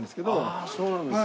ああそうなんですか。